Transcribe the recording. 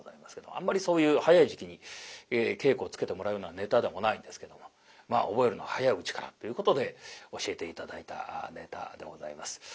あんまりそういう早い時期に稽古をつけてもらうようなネタでもないんですけどもまあ覚えるのは早いうちからということで教えて頂いたネタでございます。